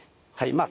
まあ